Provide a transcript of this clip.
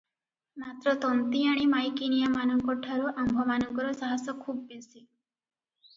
ମାତ୍ର ତନ୍ତୀଆଣୀ ମାଈକିନିଆମାନଙ୍କଠାରୁ ଆମ୍ଭମାନଙ୍କର ସାହସ ଖୁବ୍ ବେଶି ।